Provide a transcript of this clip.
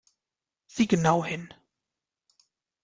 Sieh genau hin!